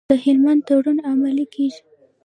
د هلمند تړون عملي کیږي؟